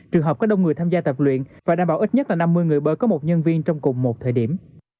trường hợp có đông người tham gia tập luyện và đảm bảo ít nhất là năm mươi người bơ có một nhân viên trong cùng một thời điểm